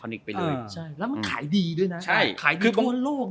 วันนี้มันขายดีสู่โลก